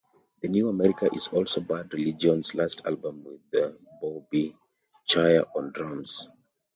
"The New America" is also Bad Religion's last album with Bobby Schayer on drums.